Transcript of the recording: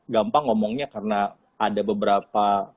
gampang ngomongnya karena ada beberapa